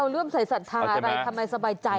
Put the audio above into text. เริ่มใส่สันธารไปทำให้สบายใจ